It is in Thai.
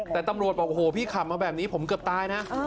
แต่ตำรวจบอกโอ้โหพี่ขับมาแบบนี้ผมเกือบตายนะ